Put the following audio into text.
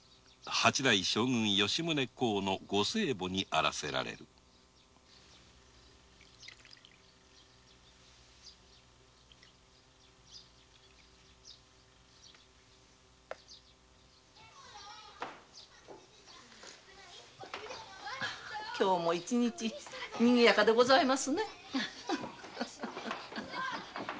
８代将軍吉宗のご生母にあらせられる今日も一日にぎやかでございますね。